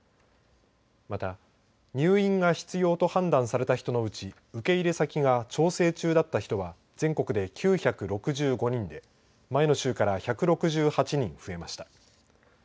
また、入院が必要と判断された人のうち受け入れ先が調整中だった人は全国で９６５人で前の週から１６８人増えました。